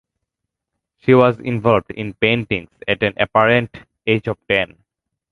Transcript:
She was involved in paintings at an apparent age of ten.